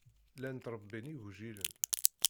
Llan ttṛebbin igujilen.